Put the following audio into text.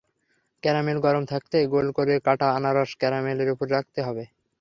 Caramel গরম থাকতেই গোল করে কাটা আনারস ক্যারামেল এর উপর রাখতে হবে।